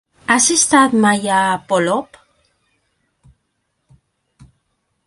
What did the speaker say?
Has estat mai a Polop?